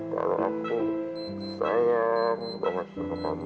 parah aku sayang banget sama lu